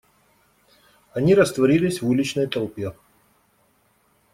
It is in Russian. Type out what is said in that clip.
Они растворились в уличной толпе.